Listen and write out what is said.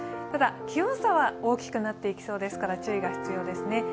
ただ、気温差は大きくなっていきそうですから注意が必要ですね。